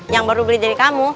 yang baru beli jadi kamu